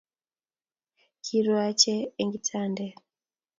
Kirue ache eng kitandet